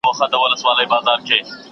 په قلم لیکنه کول پر نورو د تکیې مخه نیسي.